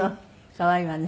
可愛いわね。